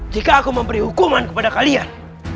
jika aku memberi hukuman kepada kalian